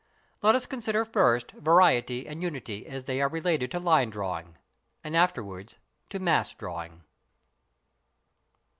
Let us consider first variety and unity as they are related to line drawing, and afterwards to mass drawing.